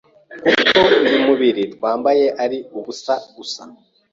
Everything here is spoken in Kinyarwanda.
kuko uyu mubiri twambaye ari ubusa gusa,